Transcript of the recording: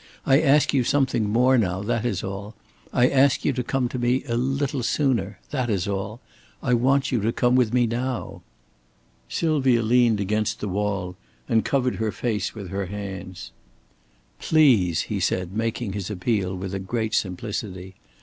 I ask you something more now, that is all. I ask you to come to me a little sooner that is all. I want you to come with me now." Sylvia leaned against the wall and covered her face with her hands. "Please!" he said, making his appeal with a great simplicity.